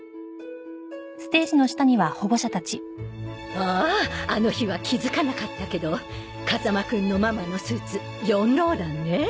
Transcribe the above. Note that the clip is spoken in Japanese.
あああの日は気づかなかったけど風間くんのママのスーツヨンローランね。